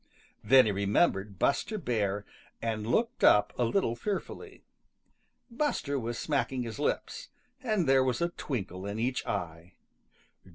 Then he remembered Buster Bear and looked up a little fearfully. Buster was smacking his lips, and there was a twinkle in each eye.